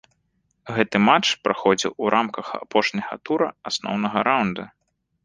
Гэты матч праходзіў у рамках апошняга тура асноўнага раўнда.